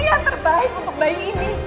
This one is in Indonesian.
yang terbaik untuk bayi ini